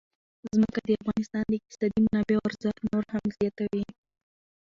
ځمکه د افغانستان د اقتصادي منابعو ارزښت نور هم زیاتوي.